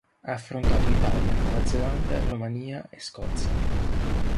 Ha affrontato Italia, Nuova Zelanda, Romania, e Scozia.